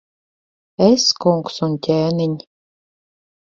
Es, kungs un ķēniņ!